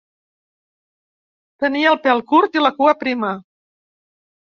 Tenia el pèl curt i la cua prima.